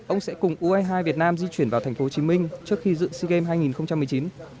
ông sẽ cùng ue hai việt nam di chuyển vào thành phố hồ chí minh trước khi dự sea games hai nghìn một mươi chín